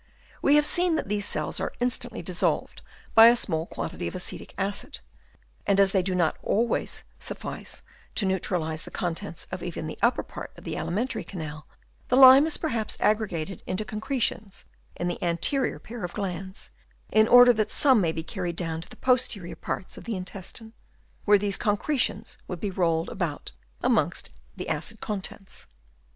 We have seen that these cells are instantly dissolved by a small quantity of acetic acid, and as they do not always suffice to neu tralise the contents of even the upper part of the alimentary canal, the lime is perhaps aggregated into concretions in the anterior pair of glands, in order that some may be carried down to the posterior parts of the intestine, where these concretions would be rolled about amongst the acid contents.